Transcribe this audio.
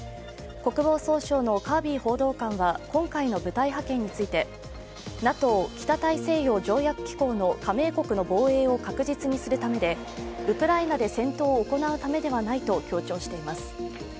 国防総省のカービー報道官は今回の部隊派遣についてＮＡＴＯ＝北大西洋条約機構の加盟国の防衛を確実にするためでウクライナで戦闘を行うためではないと強調しています。